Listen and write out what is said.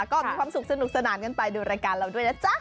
ก็มีความสุขสนุกสนานกันไปดูรายการเราด้วยนะจ๊ะ